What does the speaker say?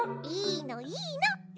いいのいいの。